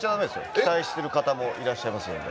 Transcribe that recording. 期待してる方もいらっしゃるので。